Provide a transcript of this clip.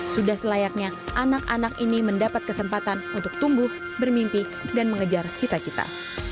sudah selayaknya anak anak ini mendapat kesempatan untuk tumbuh bermimpi dan mengejar cita cita